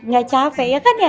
gak capek ya kan ya